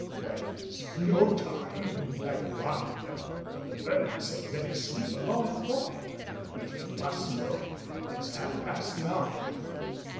"There is no time in Vaga bondia. The birds have been asleep a long while. But if you must know it's half past nine."